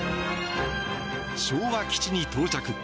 昭和基地に到着。